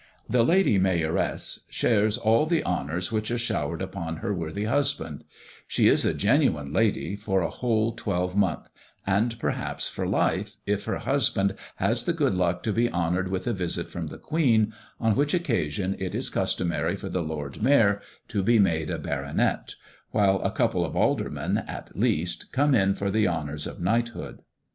The Lady Mayoress shares all the honours which are showered upon her worthy husband; she is a genuine "lady" for a whole twelvemonth, and perhaps for life, if her husband has the good luck to be honoured with a visit from the Queen, on which occasion it is customary for the Lord Mayor to be made a baronet, while a couple of Aldermen, at least, come in for the honours of knighthood.